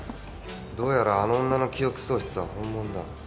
どうやらあの女の記憶喪失は本物だ。